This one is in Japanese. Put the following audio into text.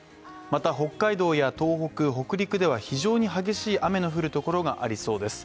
また北海道や東北、北陸では非常に激しい雨の降るところがありそうです。